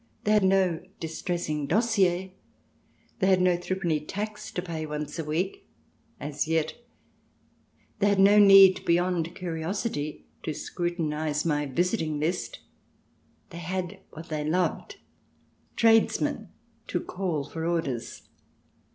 They had no distressing dossier; they had no three penny tax to pay once a week (as yet !); they had no need, beyond curiosity, to scrutinize my visiting list ; they had what they loved — tradesmen to call for orders.